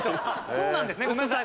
そうなんですねごめんなさい。